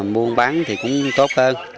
mua bán thì cũng tốt hơn